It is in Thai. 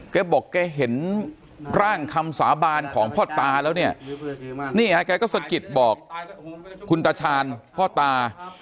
แกบอกแกเห็นร่างคำสาบานของพ่อตาแล้วเนี่ยนี่ฮะแกก็สะกิดบอกคุณตาชาญพ่อตา